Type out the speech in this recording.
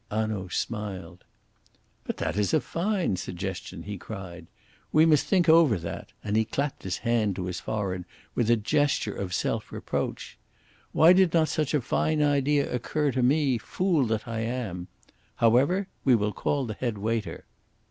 Hanaud smiled. "But that is a fine suggestion," he cried. "We must think over that," and he clapped his hand to his forehead with a gesture of self reproach. "Why did not such a fine idea occur to me, fool that I am! However, we will call the head waiter."